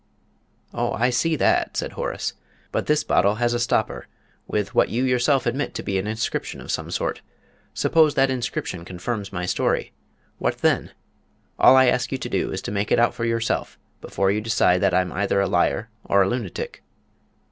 "Oh, I see that," said Horace; "but this bottle has a stopper with what you yourself admit to be an inscription of some sort. Suppose that inscription confirms my story what then? All I ask you to do is to make it out for yourself before you decide that I'm either a liar or a lunatic."